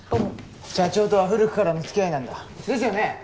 社長とは古くからの付き合いなんだ。ですよね？